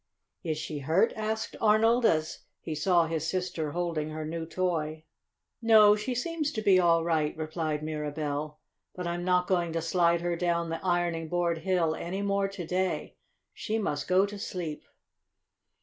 "Is she hurt?" asked Arnold, as he saw his sister holding her new toy. "No, she seems to be all right," replied Mirabell. "But I'm not going to slide her down the ironing board hill any more to day. She must go to sleep."